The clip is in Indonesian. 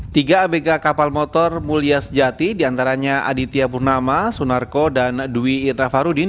tiga abk kapal motor mulia sejati diantaranya aditya purnama sunarko dan dwi itrafarudin